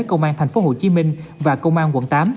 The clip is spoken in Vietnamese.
công an tp hcm và công an quận tám